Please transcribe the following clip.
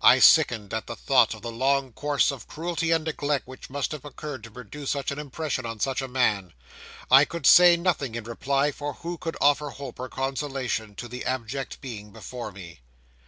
'I sickened at the thought of the long course of cruelty and neglect which must have occurred to produce such an impression on such a man. I could say nothing in reply; for who could offer hope, or consolation, to the abject being before me?